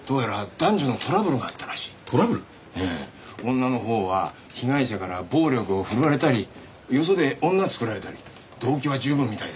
女のほうは被害者から暴力を振るわれたりよそで女作られたり動機は十分みたいでね。